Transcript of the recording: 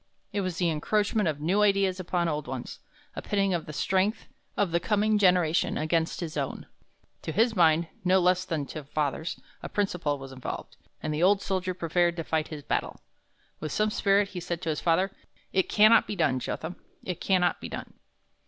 It was the encroachment of new ideas upon old ones a pitting of the strength of the coming generation against his own. To his mind, no less than to father's, a principle was involved, and the old soldier prepared to fight his battle. With some spirit he said to father, 'It cannot be done, Jotham; it cannot be done.'